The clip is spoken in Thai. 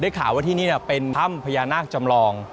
ข่าวว่าที่นี่เป็นถ้ำพญานาคจำลอง